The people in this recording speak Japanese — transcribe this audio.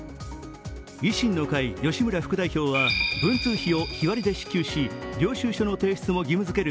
維新の会吉村副代表は文通費を日割りで支給し領収書の提出を義務づける